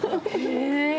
へえ。